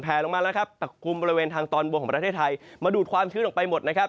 ลงมาแล้วครับปักกลุ่มบริเวณทางตอนบนของประเทศไทยมาดูดความชื้นออกไปหมดนะครับ